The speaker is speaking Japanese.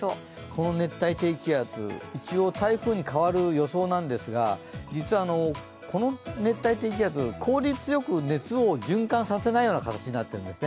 この熱帯低気圧一応、台風に変わる予想なんですが実はこの熱帯低気圧、効率よく熱を循環させないような状態なんです。